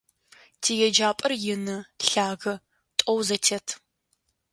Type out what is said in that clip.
ТиеджапӀэр ины, лъагэ, тӀоу зэтет.